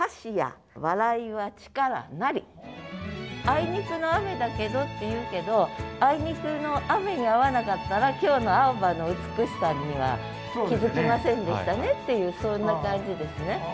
「あいにくの雨だけど」っていうけどあいにくの雨にあわなかったら今日の青葉の美しさには気付きませんでしたねっていうそんな感じですね。